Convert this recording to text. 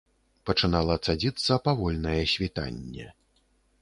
Пачынала цадзіцца павольнае світанне.